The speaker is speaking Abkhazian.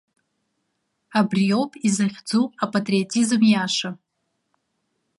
Абриоуп изыхьӡу апатриотизм иаша.